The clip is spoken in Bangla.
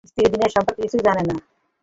স্ত্রী দীনার সম্পর্কে কিছুই জানেন না।